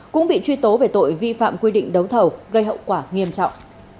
cũng bị truy tố về tội vi phạm quy định đấu thầu gây hậu quả nghiêm trọng